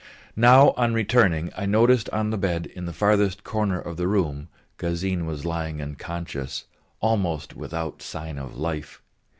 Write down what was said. Now on returning I noticed on the bed in the furthest corner of the room Gazin lying unconscious, almost without sign of life.